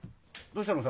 どうしたの？